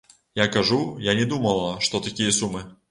Я кажу, я не думала, што такія сумы.